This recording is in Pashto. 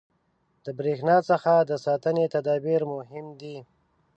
• د برېښنا څخه د ساتنې تدابیر مهم دي.